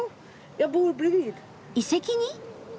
遺跡に？